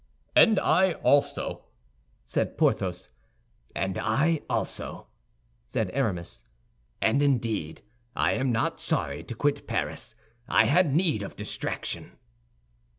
"And I also," said Porthos. "And I also," said Aramis. "And, indeed, I am not sorry to quit Paris; I had need of distraction."